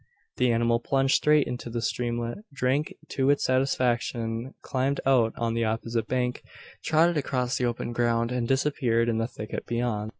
The animal plunged straight into the streamlet, drank to its satisfaction, climbed out on the opposite bank, trotted across the open ground, and disappeared in the thicket beyond.